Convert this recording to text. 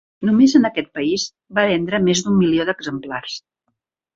Només en aquest país va vendre més d'un milió d'exemplars.